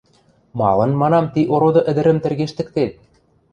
— Малын, манам, ти ороды ӹдӹрӹм тӹргештӹктет?